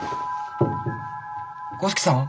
五色さん。